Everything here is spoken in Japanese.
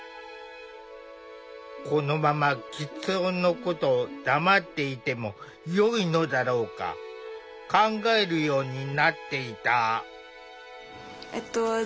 このままきつ音のことを黙っていてもよいのだろうか考えるようになっていた。